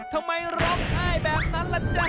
ทำไมร้องไห้แบบนั้นล่ะจ๊ะ